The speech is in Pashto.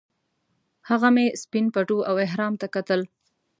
هغه مې سپین پټو او احرام ته کتل.